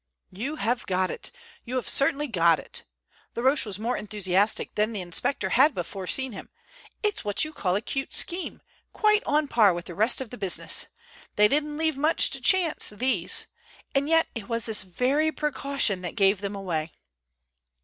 "You have got it. You have certainly got it." Laroche was more enthusiastic than the inspector had before seen him. "It's what you call a cute scheme, quite on par with the rest of the business. They didn't leave much to chance, these! And yet it was this very precaution that gave them away."